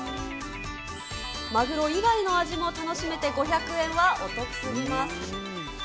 マグロ以外の味も楽しめて５００円はお得すぎます。